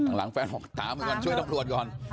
หลังช่องตามกันกันช่วยตำรวจก่อน